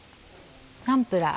ナンプラー。